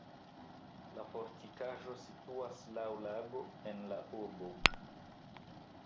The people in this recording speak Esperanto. La fortikaĵo situas laŭ lago en la urbo.